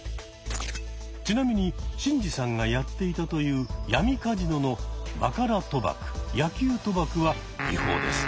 ちなみにシンジさんがやっていたという闇カジノのバカラ賭博野球賭博は違法です。